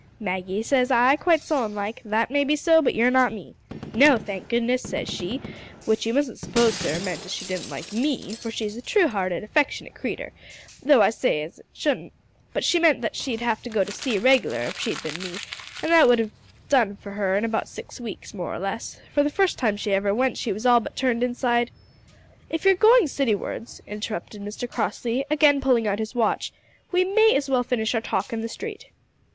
`Maggie,' says I, quite solemn like, `that may be so, but you're not me.' `No, thank goodness!' says she which you mustn't suppose, sir, meant as she didn't like me, for she's a true hearted affectionate creetur though I say it as shouldn't but she meant that she'd have had to go to sea reg'lar if she had been me, an' that would have done for her in about six weeks, more or less, for the first time she ever went she was all but turned inside " "If you're going citywards," interrupted Mr Crossley, again pulling out his watch, "we may as well finish our talk in the street."